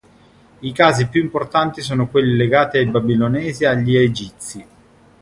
I casi più importanti sono quelli legati ai Babilonesi e agli Egizi.